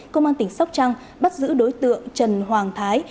công an tỉnh sóc trăng bắt giữ đối tượng trần hoàng thái